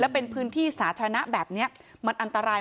เป็นพื้นที่สาธารณะแบบนี้มันอันตราย